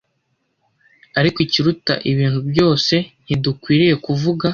Ariko ikiruta ibintu byose, ntidukwiriye kuvuga